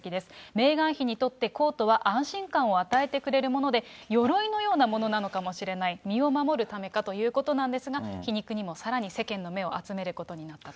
メーガン妃にとってコートは安心感を与えてくれるもので、鎧のようなものなのかもしれない、身を守るためかということなんですが、皮肉にもさらに世間の目を集めることになったと。